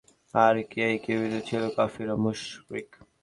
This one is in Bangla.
আর এই কিবতীটি ছিল কাফির ও মুশরিক।